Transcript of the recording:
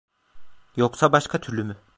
Yoksa başka türlü mü?